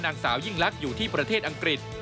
นางสาวยิ่งลักษณ์อยู่ที่ประเทศอังกฤษ